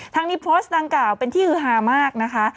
ทั้งนี้โพสต์ดังกล่าวเป็นที่ฮือฮามากนะคะ